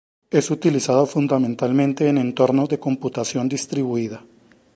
Es utilizado fundamentalmente en entornos de computación distribuida.